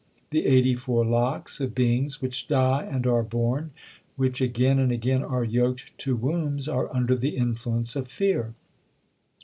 The eighty four lakhs of beings which die and are born, which again and again are yoked to wombs, are under the influence of fear.